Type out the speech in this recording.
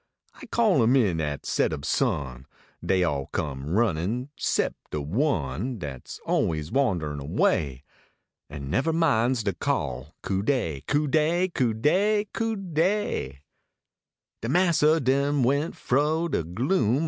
I called em in at set ob sun : Dey all come runnin sep de one Dat s always wanderin away. An never minds de call Cu dev ! Cu dey ! Cu dey ! Cu dey !" De massa then went fro de gloom.